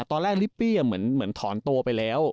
ตอนแรกลิปปี้อย่างเหมือนถอนโตไปแล้ว